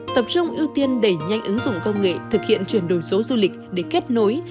tập trung ưu tiên đẩy nhanh ứng dụng công nghệ thực hiện chuyển đổi số du lịch để kết nối